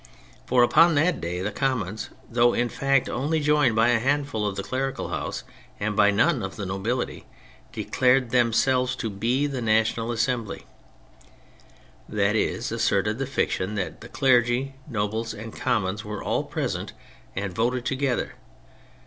For upon that day the Commons, though in fact only joined by a handful of the Clerical House, and by none of the nobility, declared themselves to be the National Assembly; that is, asserted the fic tion that Clergy, Nobles and Commons were all present and voted together.